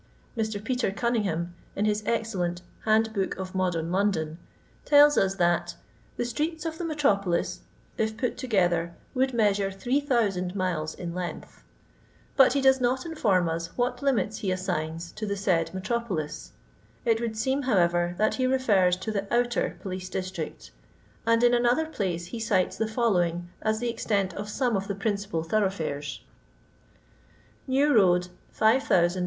Mr. Peter Guniiinghmn, in his excellent " Hand book of Modem London, tells ns that "the streets of the Metropolis, if pnt together, would measure 3000 miles in length ;" but he does not inform us what limits he assigns to the said metropolis; it would seem, however, that he refers to the Outer Police District : and in an other place he cites the following as the extent of some of the principal thoroughfares :— New road